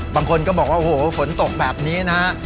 บางคนก็บอกว่าโอ้โหฝนตกแบบนี้นะฮะ